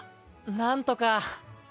なんとか。